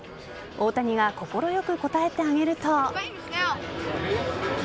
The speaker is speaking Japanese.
大谷が快く応えてあげると。